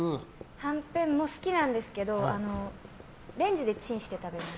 はんぺんも好きなんですけどレンジでチンして食べます。